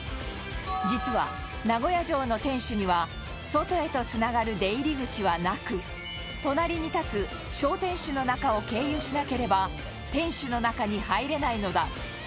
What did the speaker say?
実は、名古屋城の天守には外へとつながる出入り口はなく隣に立つ小天守の中を経由しなければ天守の中に入れないのだ